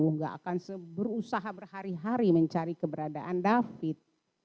tidak akan berusaha berhari hari mencari keberadaan david